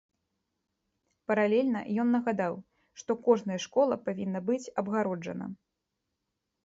Паралельна ён нагадаў, што кожная школа павінна быць абгароджана.